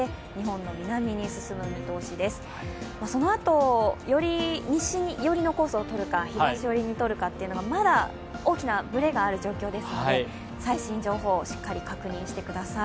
そのあと、西寄りコースをとるか、東寄りのコースをとるか、まだ大きなブレがある状況ですので、最新情報、しっかり確認してください。